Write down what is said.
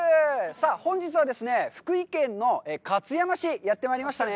さあ、本日はですね、福井県の勝山市にやってまいりましたね。